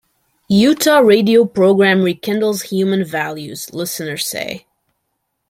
Utah Radio Program Rekindles Human Values, Listeners Say.